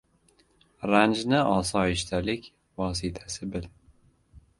— Ranjni osoyishtalik vositasi bil.